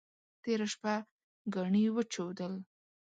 تېره شپه ګاڼي وچودل.